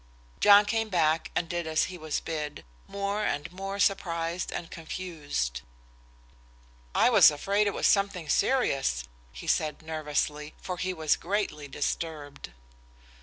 John came back and did as he was bid, more and more surprised and confused. "I was afraid it was something serious," he said nervously, for he was greatly disturbed.